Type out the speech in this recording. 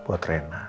berat buat rena